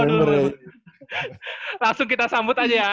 langsung kita sambut aja ya